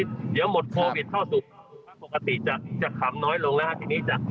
เดี๋ยวหมดโควิดเข้าสูตรคลุกฮอครตี้จะขำน้อยลงนะครับที่มีจะ